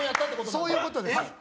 そういうことです。